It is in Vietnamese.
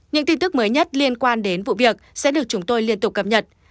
những tin tức mới nhất liên quan đến vụ việc sẽ được chúng tôi liên tục cập nhật